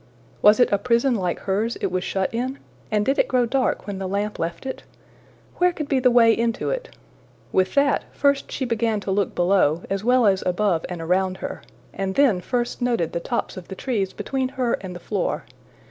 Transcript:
Was it a prison like hers it was shut in? and did it grow dark when the lamp left it? Where could be the way into it? With that, first she began to look below, as well as above and around her; and then first noted the tops of the trees between her and the floor.